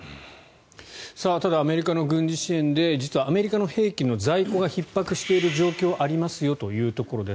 ただアメリカの軍事支援で実はアメリカの兵器の在庫がひっ迫している状況がありますよというところです。